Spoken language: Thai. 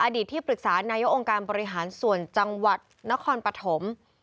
ที่ปรึกษานายกองค์การบริหารส่วนจังหวัดนครปฐม